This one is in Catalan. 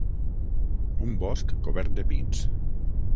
Un bosc cobert de pins.